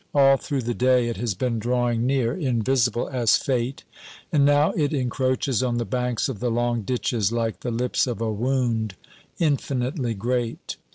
All through the day it has been drawing near, invisible as fate, and now it encroaches on the banks of the long ditches like the lips of a wound infinitely great.